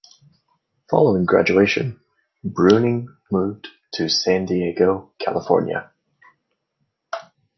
Following graduation, Bruening moved to San Diego, California.